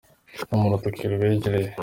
No mu rutoke rubegereye